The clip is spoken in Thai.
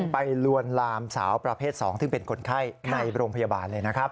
ลวนลามสาวประเภท๒ซึ่งเป็นคนไข้ในโรงพยาบาลเลยนะครับ